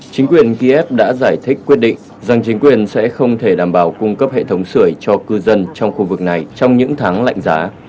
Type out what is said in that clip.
chính quyền kiev đã giải thích quyết định rằng chính quyền sẽ không thể đảm bảo cung cấp hệ thống sửa cho cư dân trong khu vực này trong những tháng lạnh giá